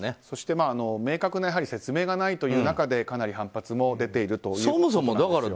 そして、明確な説明がないという中で、かなり反発も出ているということです。